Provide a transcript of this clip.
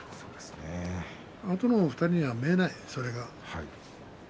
あとの２人には見えないんね